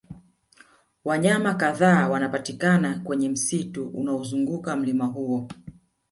wanyama kadhaa wanapatikana kwenye msitu unaozunguka mlima huo